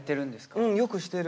うんよくしてる。